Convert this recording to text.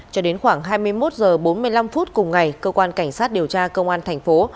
cho đến khoảng hai mươi một h bốn mươi năm phút cùng ngày cơ quan cảnh sát điều tra công an thành phố